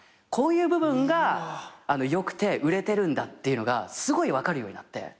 こういう部分が良くて売れてるんだっていうのがすごい分かるようになって。